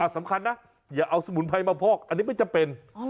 สำคัญนะอย่าเอาสมุนไพรมาพอกอันนี้ไม่จำเป็น